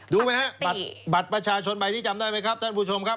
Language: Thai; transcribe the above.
รู้ไหมฮะบัตรประชาชนใบนี้จำได้ไหมครับท่านผู้ชมครับ